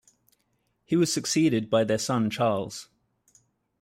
He was succeeded by their son Charles.